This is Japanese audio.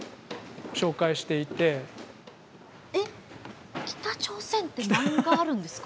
えっ北朝鮮ってマンガあるんですか？